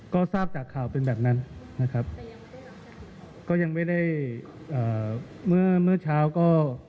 ก็ทราบจากข่าวเป็นแบบนั้นนะครับก็ยังไม่ได้เอ่อเมื่อเมื่อเช้าก็